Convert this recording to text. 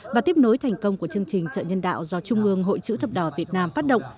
và tiếp nối thành công của chương trình chợ nhân đạo do trung ương hội chữ thập đỏ việt nam phát động